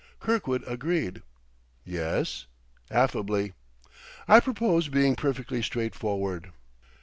Kirkwood agreed "Yes?" affably. "I purpose being perfectly straightforward.